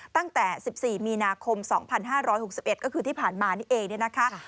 ตั้งแต่๑๔มีนาคม๒๕๖๑ก็คือที่ผ่านมานี่เองเนี่ยนะคะ